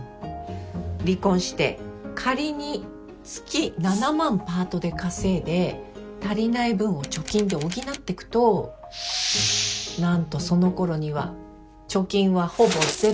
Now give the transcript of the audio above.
離婚して仮に月７万パートで稼いで足りない分を貯金で補ってくと何とそのころには貯金はほぼゼロ。